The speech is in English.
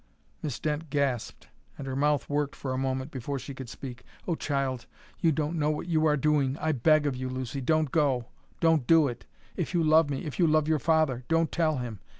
Miss Dent gasped and her mouth worked for a moment before she could speak. "Oh, child, you don't know what you are doing! I beg of you, Lucy, don't go don't do it! If you love me, if you love your father, don't tell him!